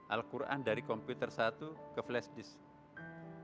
al quran dari komputer satu ke flash disk